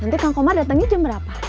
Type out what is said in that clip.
nanti kang komar datangnya jam berapa